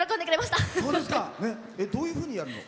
どういうふうにやるの？